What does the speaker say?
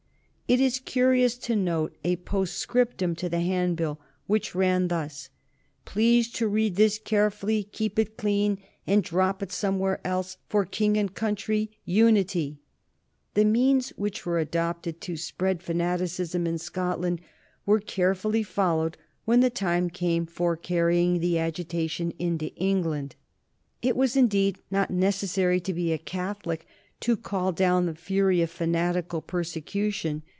It is curious to note a postscriptum to the handbill, which ran thus: "Please to read this carefully, keep it clean, and drop it somewhere else. For King and country. UNITY." The means which were adopted to spread fanaticism in Scotland were carefully followed when the time came for carrying the agitation into England. [Sidenote: 1778 80 The English "Protestant Association"] It was indeed not necessary to be a Catholic to call down the fury of fanatical persecution.